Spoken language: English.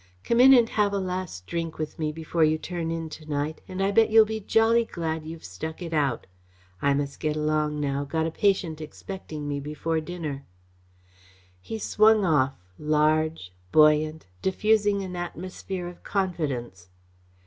Come in and have a last drink with me before you turn in to night and I bet you'll be jolly glad you've stuck it out. I must get along now. Got a patient expecting me before dinner." He swung off, large, buoyant, diffusing an atmosphere of confidence.